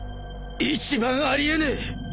一番あり得ねえ！